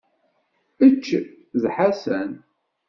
Ečč d Ḥasan!